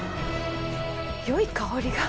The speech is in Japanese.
良い香りが。